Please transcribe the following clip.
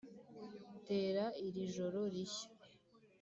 'tera iri joro rishya,